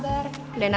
bapak sendirian aja